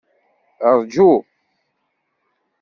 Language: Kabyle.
Rju.